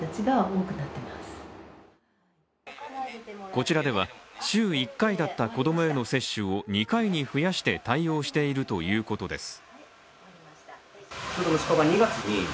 こちらでは週１回だった子供への接種を２回に増やして対応しているということです